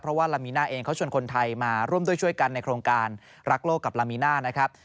เพราะว่าลามีน่าเองเขาชวนคนไทยมาร่วมด้วยช่วยกันในโครงการรักโลกกับลามีน่านะครับ